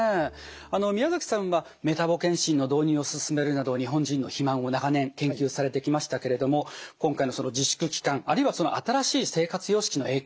あの宮崎さんはメタボ健診の導入を進めるなど日本人の肥満を長年研究されてきましたけれども今回の自粛期間あるいは新しい生活様式の影響